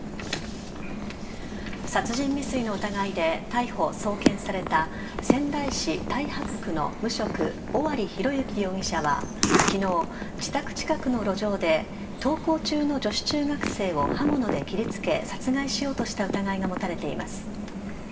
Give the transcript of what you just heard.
殺人未遂の疑いで逮捕、送検された仙台市太白区の無職尾張裕之容疑者は昨日、自宅近くの路上で登校中の女子中学生を刃物で切りつけ殺害しようとした疑いが持たれています。